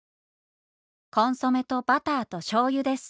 「コンソメとバターと醤油です！」。